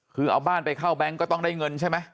คือเอาบ้านไปเข้าแบงค์ก็ต้องได้เงินใช่ไหม